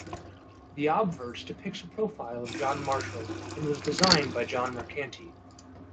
The Obverse depicts a profile of John Marshall and was designed by John Mercanti.